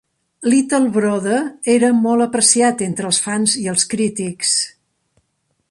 Little Brother era molt apreciat entre els fans i els crítics.